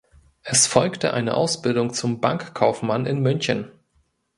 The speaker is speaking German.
Es folgte eine Ausbildung zum Bankkaufmann in München.